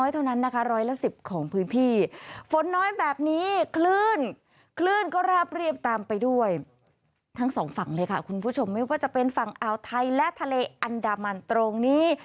ทั้งสองฝั่งเลยค่ะคุณผู้ชมไม่ว่าจะเป็นฝั่งอาวไทยและทะเลอันดามันตรงนี้